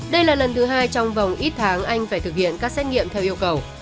đây là lần thứ hai trong vòng ít tháng anh phải thực hiện các xét nghiệm theo yêu cầu